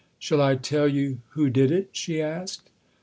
" Shall I tell you who did it ?" she asked.